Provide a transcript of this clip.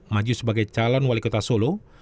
maju sebagai calon wali kota solo